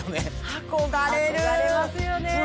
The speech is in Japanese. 憧れる憧れますよね